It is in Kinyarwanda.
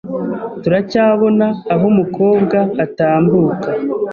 Turacyabona aho umukobwa atambuka